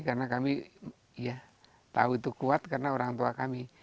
karena kami tahu itu kuat karena orang tua kami